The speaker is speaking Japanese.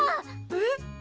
えっ！